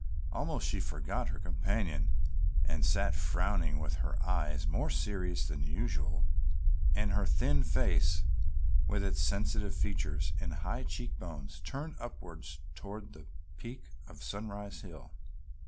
Almost she forgot her companion and sat frowning with her eyes more serious than usual and her thin face with its sensitive features and high cheek bones turned upward toward the peak of Sunrise Hill.